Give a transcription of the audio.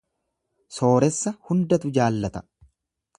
Sooressa hundatu jaallata.